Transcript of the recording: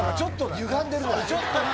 ゆがんでる。